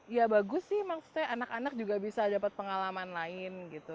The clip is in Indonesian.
ya bagus sih maksudnya anak anak juga bisa dapat pengalaman lain gitu